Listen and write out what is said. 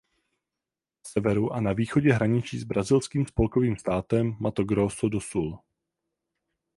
Na severu a východě hraničí s brazilským spolkovým státem Mato Grosso do Sul.